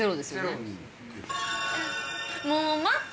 もうまた！